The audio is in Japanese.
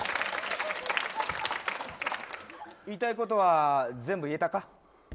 言いたいことは全部言えたか？